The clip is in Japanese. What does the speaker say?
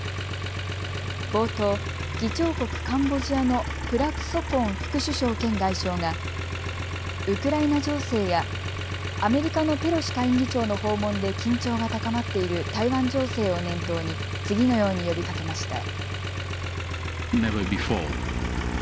冒頭、議長国カンボジアのプラク・ソコン副首相兼外相がウクライナ情勢やアメリカのペロシ下院議長の訪問で緊張が高まっている台湾情勢を念頭に次のように呼びかけました。